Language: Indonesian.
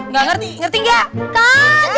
gak ngerti ngerti gak